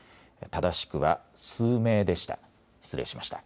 正しくは数名でした。